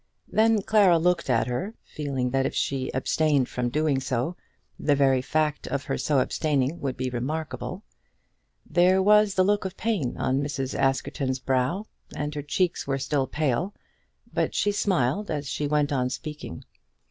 Then Clara looked at her, feeling that if she abstained from doing so, the very fact of her so abstaining would be remarkable. There was the look of pain on Mrs. Askerton's brow, and her cheeks were still pale, but she smiled as she went on speaking.